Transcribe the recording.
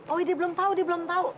oh dia belum tahu dia belum tahu